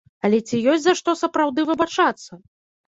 Але ці ёсць за што сапраўды выбачацца?